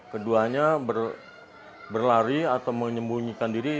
keduanya berlari atau menyembunyikan diri